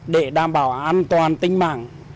để đảm bảo an toàn tinh mạng